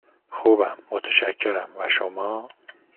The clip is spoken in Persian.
خوبم، متشکرم، و شما؟